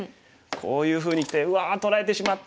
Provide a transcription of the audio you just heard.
こういうふうにきて「うわ取られてしまった！」